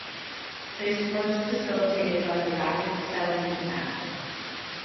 This was facilitated by the Rapid Settlement Act.